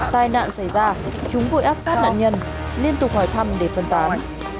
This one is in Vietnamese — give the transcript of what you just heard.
tai nạn xảy ra chúng vội áp sát nạn nhân liên tục hỏi thăm để phân tán